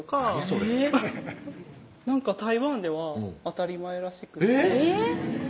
それ台湾では当たり前らしくてえぇっ？